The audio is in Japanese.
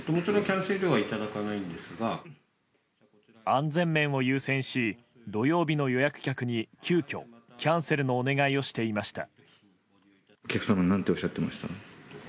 安全面を優先し土曜日の予約客に急きょ、キャンセルのお願いをしていました。